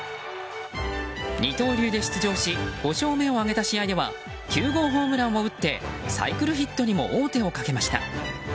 二刀流で出場し５勝目を挙げた試合では９号ホームランを打ってサイクルヒットにも王手をかけました。